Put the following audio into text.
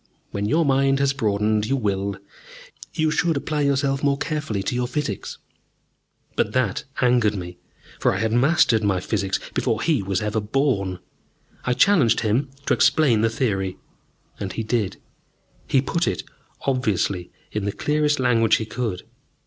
When your mind has broadened, you will. You should apply yourself more carefully to your Physics." But that angered me, for I had mastered my Physics before he was ever born. I challenged him to explain the theory. And he did! He put it, obviously, in the clearest language he could.